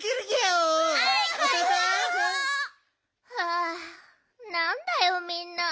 あなんだよみんな。